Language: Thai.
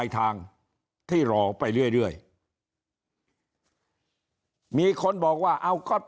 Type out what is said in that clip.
ทางที่รอไปเรื่อยมีคนบอกว่าเอาก็